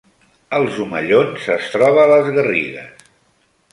Els Omellons es troba a les Garrigues